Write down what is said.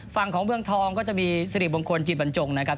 ฝั่งของเมืองทองก็จะมีสิริมงคลจิตบรรจงนะครับ